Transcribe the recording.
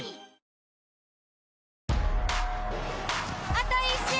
あと１周！